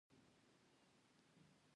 د خدای په امان استاده مننه له تاسو څخه